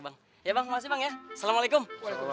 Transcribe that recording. bang ya bang masih bang ya assalamualaikum